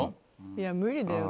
いや無理だよ